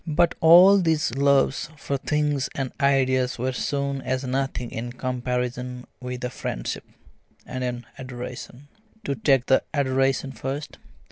But all these loves for things and ideas were soon as nothing in comparison with a friendship, and an adoration. To take the adoration first.